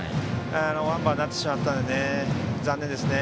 ワンバンになってしまったのでね。